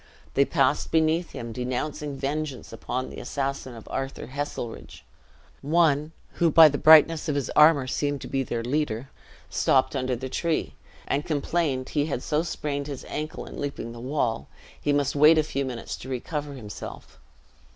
They passed beneath him, denouncing vengeance upon the assassin of Arthur Heselrigge! One, who by the brightness of his armor seemed to be their leader, stopped under the tree, and complained he had so sprained his ankle in leaping the wall, he must wait a few minutes to recover himself.